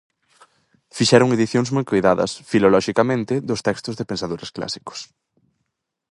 Fixeron edicións moi coidadas filoloxicamente dos textos de pensadores clásicos.